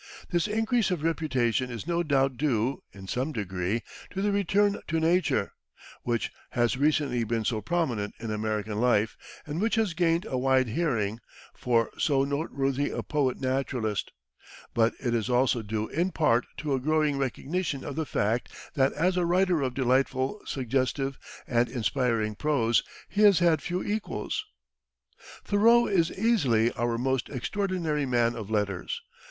This increase of reputation is no doubt due, in some degree, to the "return to nature," which has recently been so prominent in American life and which has gained a wide hearing for so noteworthy a "poet naturalist"; but it is also due in part to a growing recognition of the fact that as a writer of delightful, suggestive and inspiring prose he has had few equals. Thoreau is easily our most extraordinary man of letters.